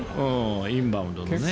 インバウンドのね。